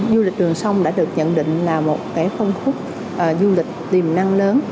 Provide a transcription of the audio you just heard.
du lịch đường sông đã được nhận định là một phân khúc du lịch tiềm năng lớn